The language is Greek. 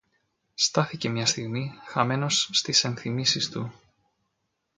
Στάθηκε μια στιγμή, χαμένος στις ενθυμήσεις του